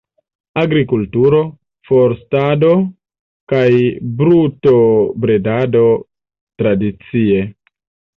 Agrikulturo, forstado kaj brutobredado tradicie.